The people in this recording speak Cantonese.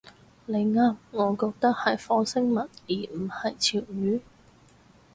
你啱，我覺得係火星文而唔係潮語